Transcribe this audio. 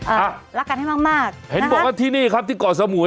อ่ะรักกันให้มากมากเห็นบอกว่าที่นี่ครับที่เกาะสมุย